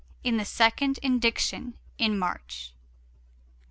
IN THE SECOND INDICTION, IN MARCH.